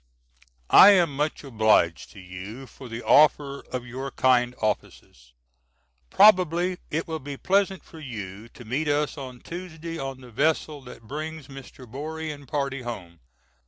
I am much obliged to you for the offer of your kind offices. Probably it will be pleasant for you to meet us on Tuesday on the vessel that brings Mr. Borie and party home.